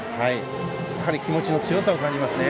気持ちの強さを感じますね。